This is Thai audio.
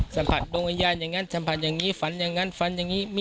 สัมผัสดวงวิญญาณอย่างนั้นสัมผัสอย่างนี้ฝันอย่างนั้นฝันอย่างนี้